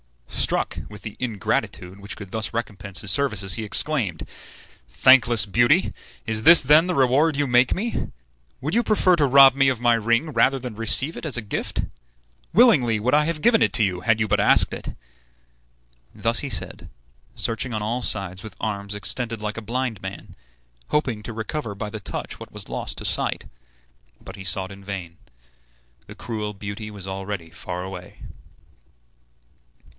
Struck with the ingratitude which could thus recompense his services, he exclaimed: "Thankless beauty, is this then the reward you make me? Do you prefer to rob me of my ring rather than receive it as a gift? Willingly would I have given it to you, had you but asked it." Thus he said, searching on all sides with arms extended like a blind man, hoping to recover by the touch what was lost to sight; but he sought in vain. The cruel beauty was already far away.